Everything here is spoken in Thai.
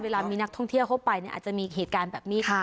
เวลามีนักท่องเที่ยวเข้าไปอาจจะมีเหตุการณ์แบบนี้ขึ้น